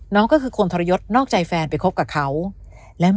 น้องก็คือคนทรยศนอกใจแฟนไปคบกับเขาแล้ว